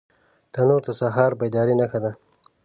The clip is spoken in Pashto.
تنور د سهار د بیدارۍ نښه ده